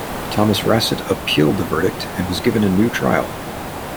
Thomas-Rasset appealed the verdict and was given a new trial.